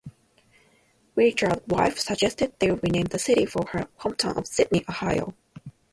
Richards wife suggested they rename the city for her hometown of Sidney, Ohio.